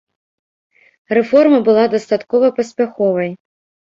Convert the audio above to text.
Рэформа была дастаткова паспяховай.